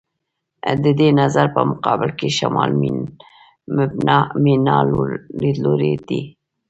د دې نظر په مقابل کې «شمال مبنا» لیدلوری دی.